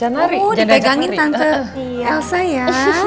oh dipegangin tante elsa ya